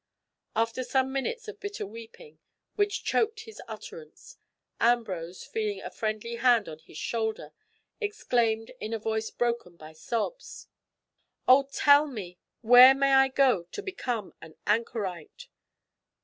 After some minutes of bitter weeping, which choked his utterance, Ambrose, feeling a friendly hand on his shoulder, exclaimed in a voice broken by sobs, "Oh, tell me, where may I go to become an anchorite!